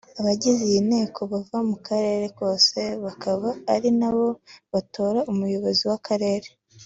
Abagize iyo nteko bava mu karere kose bakaba ari na bo batora umuyobozi w’akarere